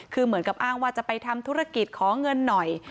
คือเหมือนกับอ้างว่าจะไปทำธุรกิจขอเงินหน่อย